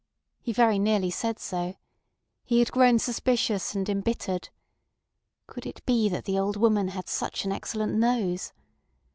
He very nearly said so. He had grown suspicious and embittered. Could it be that the old woman had such an excellent nose?